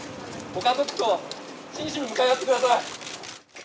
ご家族と真摯に向かい合ってください。